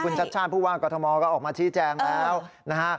คุณจับชาติผู้ว่ากฎมก็ออกมาที่แจงแล้วนะฮะ